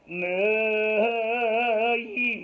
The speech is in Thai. เหนื่อยเหนื่อย